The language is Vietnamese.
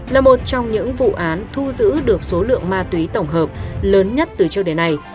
là một trong những vụ án thu giữ được số lượng ma túy tổng hợp lớn nhất từ trước đến nay